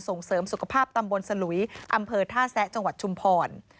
ส่งเสริมสุขภาพตำบลสลุยอำเภอท่าแซะจังหวัดชุมพร